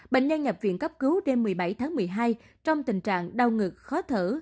bệnh nhân nhập viện cấp cứu đêm một mươi bảy tháng một mươi hai trong tình trạng đau ngực khó thở